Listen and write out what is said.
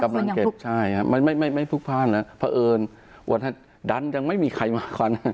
กำลังเก็บใช่ฮะมันไม่ไม่ไม่พลุกพลาดนะเพราะเอิญว่าถ้าดันยังไม่มีใครมาก่อน